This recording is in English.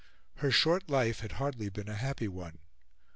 Her short life had hardly been a happy one.